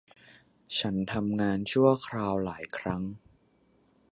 ฉันทำงานชั่วคราวหลายครั้ง